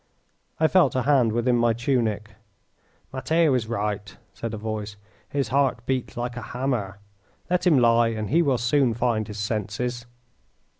I felt a hand within my tunic. "Matteo is right," said a voice. "His heart beats like a hammer. Let him lie and he will soon find his senses."